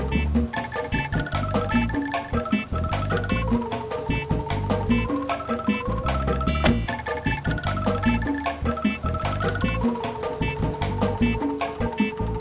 bisa temen dua nunggu oke